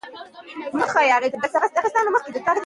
حسين، قاضي افضال.